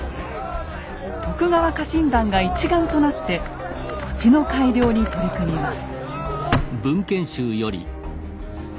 徳川家臣団が一丸となって土地の改良に取り組みます。